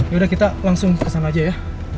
yaudah kita langsung pesan aja ya